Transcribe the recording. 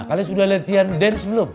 kalian sudah latihan dance belum